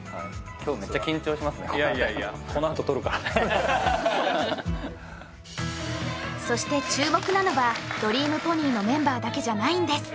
今日いやいやいやそして注目なのはドリームポニーのメンバーだけじゃないんです